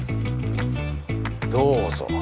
どうぞ。